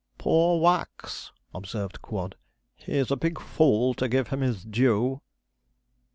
'Poor Wax!' observed Quod; 'he's a big fool, to give him his due.'